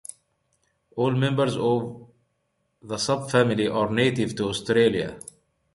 All members of the subfamily are native to Australia.